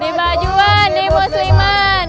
di bajuan di musliman